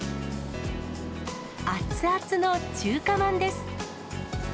熱々の中華まんです。